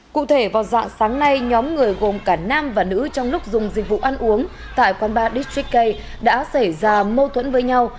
cụ thể vào dạng sáng nay nhóm người gồm cả nam và nữ trong lúc dùng dịch vụ ăn uống tại quán bar districk k đã xảy ra mâu thuẫn với nhau